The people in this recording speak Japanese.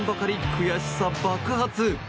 悔しさ爆発。